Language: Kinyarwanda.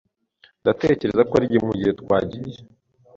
Ndatekereza ko ari mugihe twagiye.